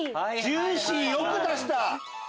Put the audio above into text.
じゅーしーよく出した。